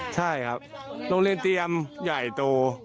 ใช่ครับโรงเรียนเตรียมใหญ่โต